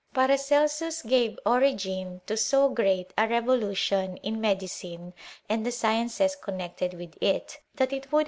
Paracelsus gave origin to so great a revolution in me dicine and the sciences connected with it, that it woxAA.